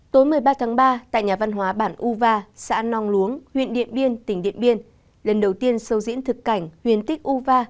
tối một mươi ba tháng ba tại nhà văn hóa bản uva xã nong luống huyện điện biên tỉnh điện biên lần đầu tiên sâu diễn thực cảnh huyền tích uva